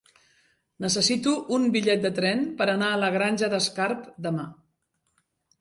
Necessito un bitllet de tren per anar a la Granja d'Escarp demà.